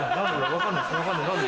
分かんないっす。